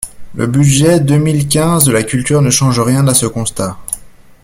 Le budget deux mille quinze de la culture ne change rien à ce constat.